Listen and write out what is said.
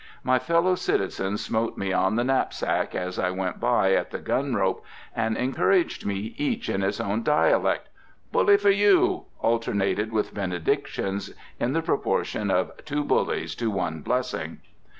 My fellow citizens smote me on the knapsack, as I went by at the gun rope, and encouraged me each in his own dialect. "Bully for you!" alternated with benedictions, in the proportion of two "bullies" to one blessing.